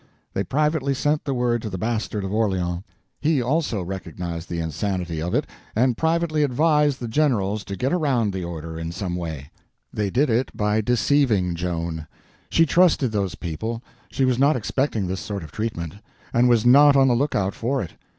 They privately sent the word to the Bastard of Orleans. He also recognized the insanity of it—at least he thought he did—and privately advised the generals to get around the order in some way. They did it by deceiving Joan. She trusted those people, she was not expecting this sort of treatment, and was not on the lookout for it.